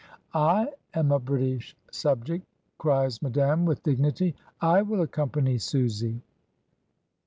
"I am a British subject," cries Madame with dignity, "I will accompany Susy."